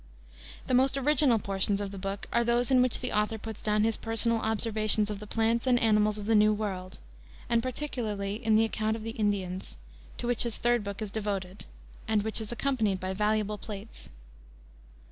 The most original portions of the book are those in which the author puts down his personal observations of the plants and animals of the New World, and particularly the account of the Indians, to which his third book is devoted, and which is accompanied by valuable plates.